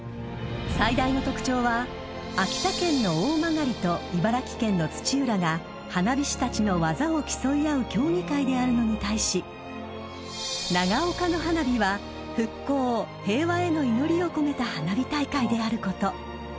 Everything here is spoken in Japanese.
最大の特徴は秋田県の大曲と茨城県の土浦が花火師たちの技を競い合う競技会であるのに対し長岡の花火は復興、平和への祈りを込めた花火大会であること。